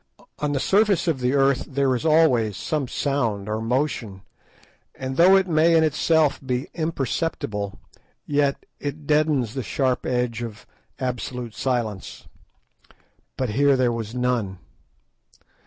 On the surface of the earth there is always some sound or motion, and though it may in itself be imperceptible, yet it deadens the sharp edge of absolute silence. But here there was none.